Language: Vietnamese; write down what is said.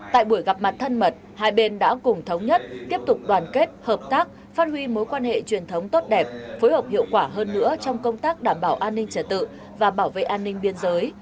tại buổi gặp mặt thân mật hai bên đã cùng thống nhất tiếp tục đoàn kết hợp tác phát huy mối quan hệ truyền thống tốt đẹp phối hợp hiệu quả hơn nữa trong công tác đảm bảo an ninh trật tự và bảo vệ an ninh biên giới